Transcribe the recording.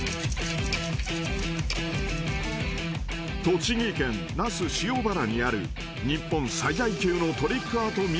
［栃木県那須塩原にある日本最大級のトリックアートミュージアム］